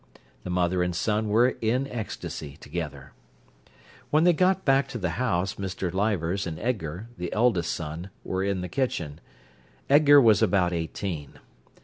The mother and son were in ecstasy together. When they got back to the house, Mr. Leivers and Edgar, the eldest son, were in the kitchen. Edgar was about eighteen.